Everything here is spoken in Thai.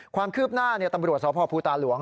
ความคืบหน้าตำรวจสพภูตาหลวง